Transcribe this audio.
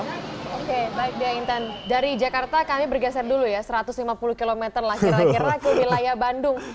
oke baik dia intan dari jakarta kami bergeser dulu ya satu ratus lima puluh km lah kira kira ke wilayah bandung